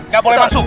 nggak boleh masuk